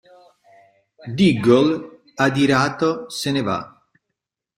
Diggle, adirato, se ne va.